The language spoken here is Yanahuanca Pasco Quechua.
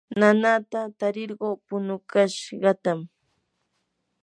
nanata tarirquu punukashqatam